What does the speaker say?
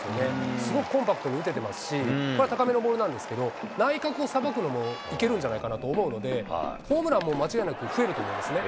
すごくコンパクトに打ててますし、これは高めのボールなんですけど、内角をさばくのもいけるんじゃないかなと思うので、ホームラン、もう間違いなく増えると思いますね。